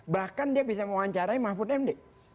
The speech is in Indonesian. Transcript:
bahkan dia bisa mewawancarai mahfud md